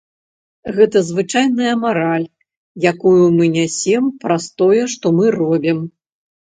Гэта звычайная мараль, якую мы нясем праз тое, што мы робім.